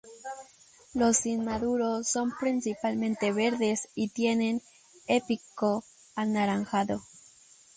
Los inmaduros son principalmente verdes y tienen e pico anaranjado.